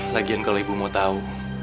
lagian kalau ibu mau tahu